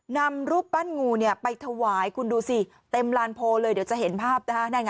นำรูปปั้นงูไปถวายคุณดูสิเต็มลานโพลเลยเดี๋ยวจะเห็นภาพนะคะ